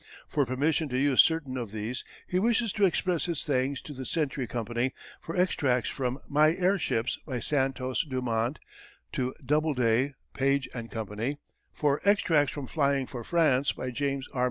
For permission to use certain of these he wishes to express his thanks to the Century Co., for extracts from My Airships by Santos Dumont; to Doubleday, Page & Co., for extracts from Flying for France, by James R.